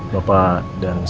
bapak dan semua